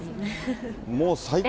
もう最高。